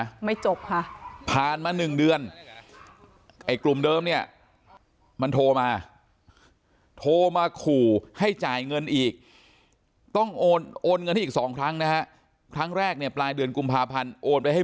ไม่จบค่ะผ่านมาหนึ่งเดือนไอ้กลุ่มเดิมเนี่ยมันโทรมาโทรมาขู่ให้จ่ายเงินอีกต้องโอนโอนเงินให้อีกสองครั้งนะฮะครั้งแรกเนี่ยปลายเดือนกุมภาพันธ์โอนไปให้